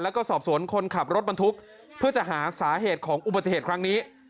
แล้วก็สอบสวนคนขับรถบรรทุกเพื่อจะหาสาเหตุของอุบัติเหตุครั้งนี้